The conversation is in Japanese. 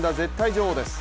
女王です。